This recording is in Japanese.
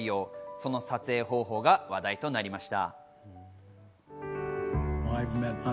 その撮影方法が話題となりました。